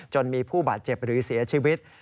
จนมีผู้บาดเจ็บหรือเสียชีวิต